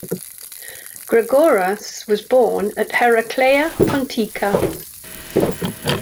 Gregoras was born at Heraclea Pontica.